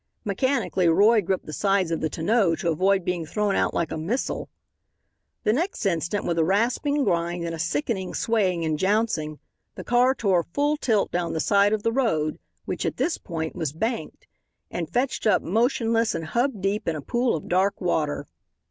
Mechanically Roy gripped the sides of the tonneau to avoid being thrown out like a missile. The next instant, with a rasping grind and a sickening swaying and jouncing the car tore full tilt down the side of the road, which, at this point, was banked, and fetched up motionless and hub deep in a pool of dark water.